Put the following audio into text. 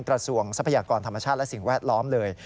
ทรัพยากรธรรมชาติและสิ่งแวดล้อมเลย